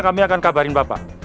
kami akan kabarin bapak